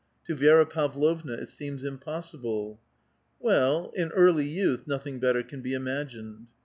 To Vi^ra Pav lovna it seems impossible. Well (dn) , in early j^outh nothing better can be imagined.